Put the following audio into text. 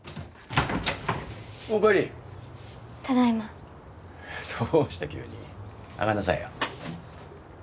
お帰りただいまどうした急に上がんなさいよ